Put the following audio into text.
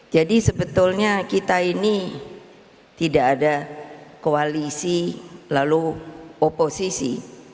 jadi sebetulnya kita ini tidak ada koalisi lalu oposisi